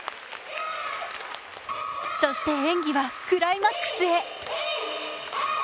そして演技はクライマックスへ。